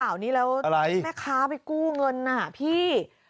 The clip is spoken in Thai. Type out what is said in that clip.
ข่าวนี้แล้วแม่ค้าไปกู้เงินน่ะพี่